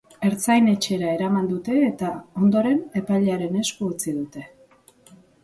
Ertzain-etxera eraman dute, eta, ondoren, epailearen esku utzi dute.